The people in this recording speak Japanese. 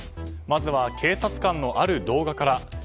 まずは警察官のある動画から。